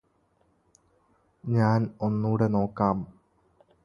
ഞാന് ഒന്നൂടെ നോക്കാം